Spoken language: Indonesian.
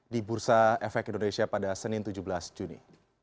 di bursa efek indonesia pada senin tujuh belas juni